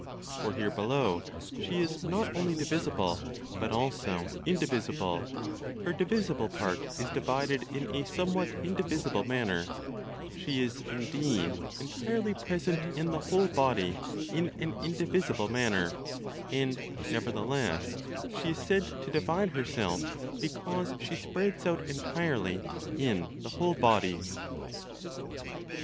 For here below she is not only divisible, but also indivisible; her divisible part is divided in a somewhat indivisible manner; she is indeed entirely present in the whole body in an indivisible manner, and nevertheless she is said to divide herself because she spreads out entirely in the whole body.